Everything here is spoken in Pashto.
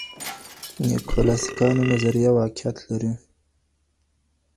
د نیوکلاسیکانو نظریه واقعیت لري.